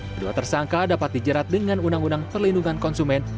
kedua tersangka dapat dijerat dengan undang undang perlindungan konsumen